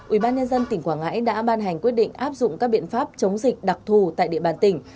ubnd tỉnh quảng ngãi đã ban hành quyết định áp dụng các biện pháp chống dịch đặc thù tại địa bàn tỉnh